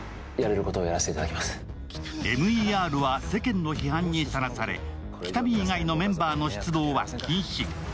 ＭＥＲは世間の批判にさらされ喜多見以外のメンバーの出動は禁止。